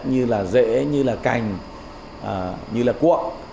như là rễ như là cành như là cuộng